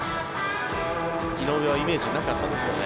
井上はイメージになかったですかね。